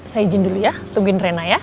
saya izin dulu ya tungguin rena ya